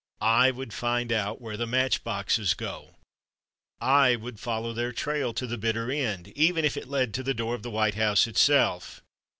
I would find out where the match boxes go, I would follow their trail to the bitter end, even if it led to the door of the White House itself!